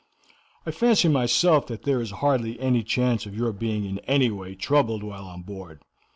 I fancy myself that there is hardly any chance of your being in any way troubled while on board.